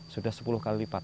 sudah sepuluh kali lipat